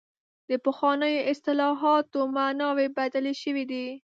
د پخوانیو اصطلاحاتو معناوې بدلې شوې دي.